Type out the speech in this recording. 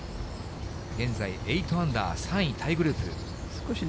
現在、８アンダー、３位タイグループ。